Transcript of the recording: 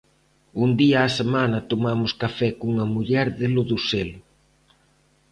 Un día á semana tomamos café cunha muller de Lodoselo.